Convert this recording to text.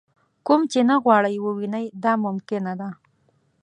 کوم چې نه غواړئ ووینئ دا ممکنه ده.